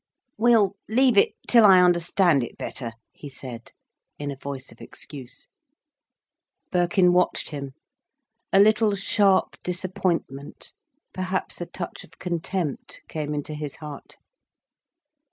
"We'll leave it till I understand it better," he said, in a voice of excuse. Birkin watched him. A little sharp disappointment, perhaps a touch of contempt came into his heart.